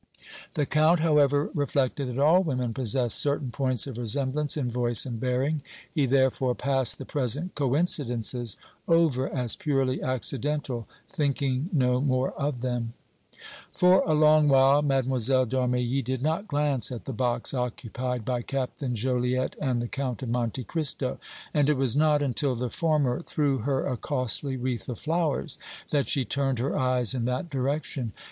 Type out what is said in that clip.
The Count, however, reflected that all women possessed certain points of resemblance in voice and bearing; he, therefore, passed the present coincidences over as purely accidental, thinking no more of them. For a long while Mlle. d' Armilly did not glance at the box occupied by Captain Joliette and the Count of Monte Cristo, and it was not until the former threw her a costly wreath of flowers that she turned her eyes in that direction.